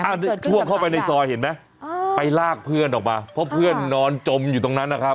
อาถือถวงเข้าไปในซอยเห็นไหมไปลากเพื่อนออกมาเพราะพวกเพื่อนนอนจมอยู่ตรงนั้นอย่างแน่นะครับ